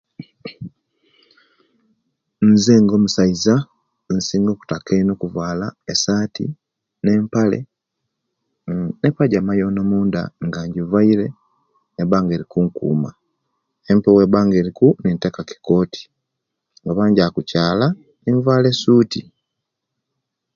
Nze nga omusaiza insinga okuta eino kuvala esati ne empale nn epajama yona omunda nga injivaire neba nga eikunkuma empewo oweba nga eriku ntekaku ekoti oba njaba kukyala nvala esuti